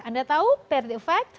anda tahu peri effect